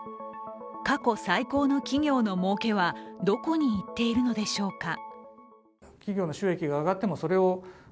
過去最高の企業のもうけは、どこにいっているのでしょうか。